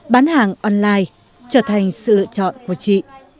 bán hàng online trở thành sự lựa chọn của chị